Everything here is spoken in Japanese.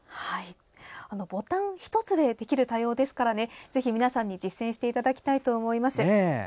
ボタン１つでできる対応ですからぜひ皆さんに実践していただきたいと思います。